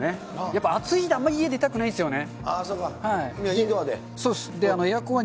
やっぱ暑いとあまり家、出たくないんですよね。